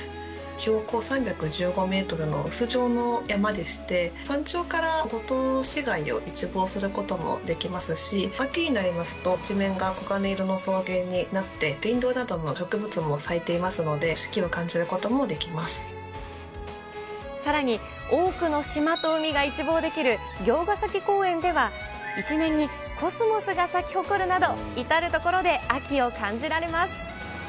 標高３１５メートルの臼状の山でして、山頂から五島市街を一望することもできますし、秋になりますと、一面が黄金色の草原になって、リンドウなどの植物も咲いていますので、四季を感じることもできさらに、多くの島と海が一望できるぎょうがさき公園では、一面にコスモスが咲きほこるなど、至る所で秋を感じられます。